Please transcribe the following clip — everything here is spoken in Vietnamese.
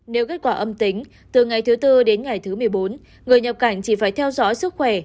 nếu kết quả âm tính từ ngày thứ tư đến ngày thứ một mươi bốn người nhập cảnh chỉ phải theo dõi sức khỏe